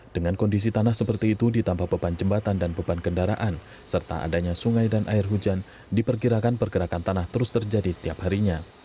dengan kondisi tanah seperti itu ditambah beban jembatan dan beban kendaraan serta adanya sungai dan air hujan diperkirakan pergerakan tanah terus terjadi setiap harinya